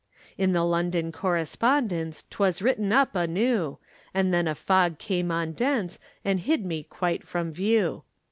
In the London Correspondence 'Twas written up anew, And then a fog came on dense And hid me quite from view.